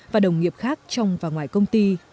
và đồng nghiệp khác trong và ngoài công ty